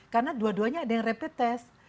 karena dua duanya ada yang rapid test